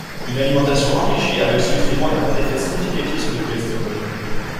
Une alimentation enrichie avec ce nutriment n'a pas d'effet significatif sur le cholestérol.